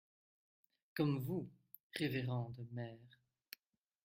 Comme vous, révérende mère.